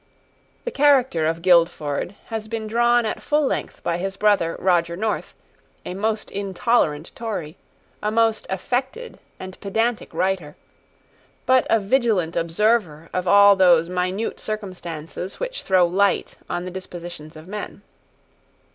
The character of Guildford has been drawn at full length by his brother Roger North, a most intolerant Tory, a most affected and pedantic writer, but a vigilant observer of all those minute circumstances which throw light on the dispositions of men.